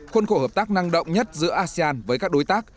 khuôn khổ hợp tác năng động nhất giữa asean với các đối tác